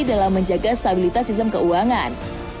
dalam menjaga stabilitas sistem keuangan